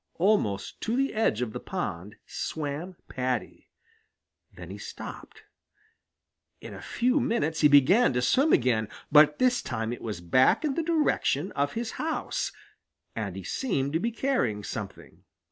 Almost to the edge of the pond swam Paddy. Then he stopped. In a few minutes he began to swim again, but this time it was back in the direction of his house, and he seemed to be carrying something.